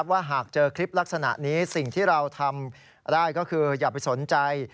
ว่าหากเจอคลิปลักษณะนี้สิ่งที่เราทำได้ก็คืออย่าไปสนใจ